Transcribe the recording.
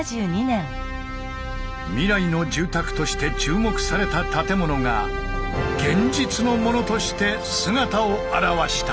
未来の住宅として注目された建物が現実のものとして姿を現した。